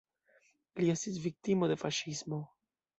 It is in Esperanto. Li estis viktimo de faŝismo.